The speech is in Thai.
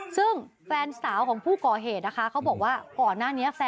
ซึ่งแฟนสาวของผู้ก่อเหตุนะคะเขาบอกว่า